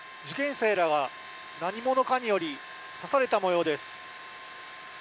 受験生らは何者かにより刺されたもようです。